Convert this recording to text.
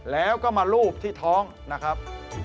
แล้วก็มารูปที่ท้องนะครับ